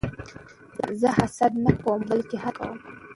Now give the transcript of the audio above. زه حسد نه کوم؛ بلکې هڅه کوم.